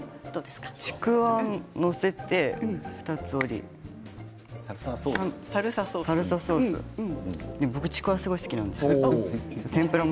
ちくわを載せて二つ折り、サルサソース僕ちくわがすごい好きなんです。